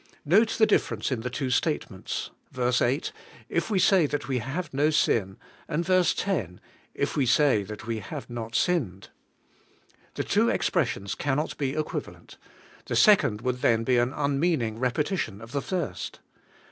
Note the difference in the two state ments {ver. S)y 'If we say that we have no sin^^ and {ver. 10)^ *If we say that ive have not sinned,'^ The two expressions cannot be equivalent; the second would then be an unmeaning repetition of the first.